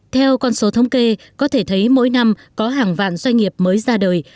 theo con số thống kê có thể thấy mỗi năm có hàng vạn doanh nghiệp mới ra đời